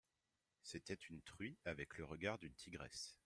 C'était une truie avec le regard d'une tigresse.